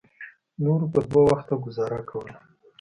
نورو به په دوه وخته ګوزاره کوله.